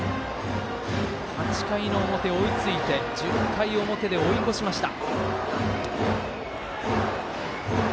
８回の表、追いついて１０回表で追い越しました。